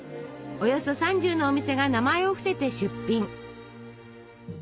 およそ３０のお店が名前を伏せて出品。